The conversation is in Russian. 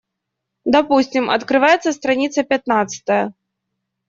Допустим, открывается страница пятнадцатая.